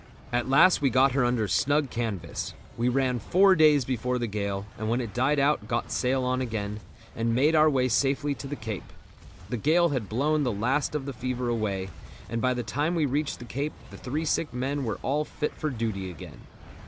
At last we got her under snug canvas. We ran four days before the gale, and when it died out got sail on again, and made our way safely to the Cape. The gale had blown the last of the fever away, and by the time we reached the Cape the three sick men were all fit for duty again.